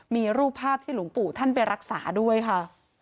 มีรูปภาพที่หลวงปู่ท่านไปรักษาด้วยค่ะ